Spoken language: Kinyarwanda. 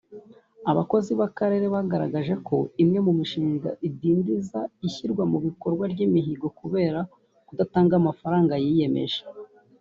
Abakozi b’akarere bagaragaje ko imwe mu mishinga idindiza ishyirwa mu bikorwa ry’imihigo kubera kudatanga amafaranga yiyemeje